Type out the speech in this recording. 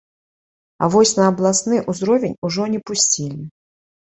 А вось на абласны ўзровень ужо не пусцілі.